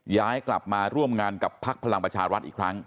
ย้ายกลับมาร่วมงานกับพักพลังประชารัฐอีกครั้ง